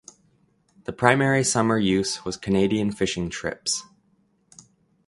The primary summer use was Canadian fishing trips.